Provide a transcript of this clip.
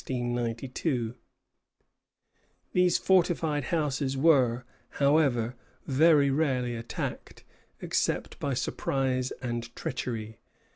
These fortified houses were, however, very rarely attacked, except by surprise and treachery.